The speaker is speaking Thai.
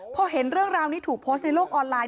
พอเห็นเรื่องราวนี้ถูกโพสต์ในโลกออนไลน